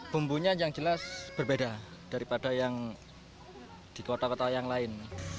bumbunya yang jelas berbeda daripada yang di kota kota yang lain